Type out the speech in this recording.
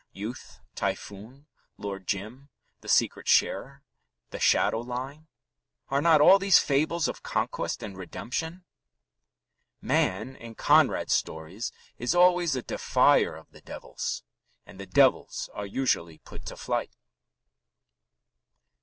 Youth, Typhoon, Lord Jim, The Secret Sharer, The Shadow Line are not all these fables of conquest and redemption? Man in Mr. Conrad's stories is always a defier of the devils, and the devils are usually put to flight.